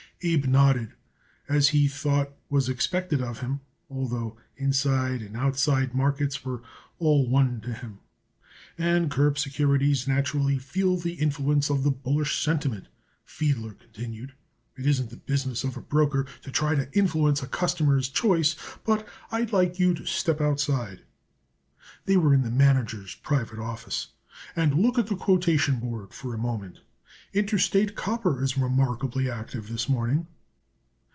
Abe nodded, as he thought was expected of him, although "inside" and "outside" markets were all one to him. "And curb securities naturally feel the influence of the bullish sentiment," Fiedler continued. "It isn't the business of a broker to try to influence a customer's choice, but I'd like you to step outside" they were in the manager's private office "and look at the quotation board for a moment. Interstate Copper is remarkably active this morning."